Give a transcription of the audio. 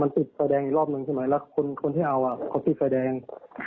ติดไฟแดงอีกรอบหนึ่งใช่ไหมแล้วคนที่เอาเขาติดไฟแดง